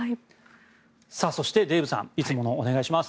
そして、デーブさんいつものお願いします。